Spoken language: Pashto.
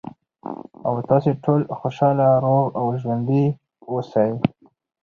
، او تاسې ټول خوشاله، روغ او ژوندي اوسئ.